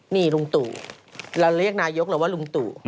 นี่ลุงตู่เราเรียกนายกเราว่าลุงตู่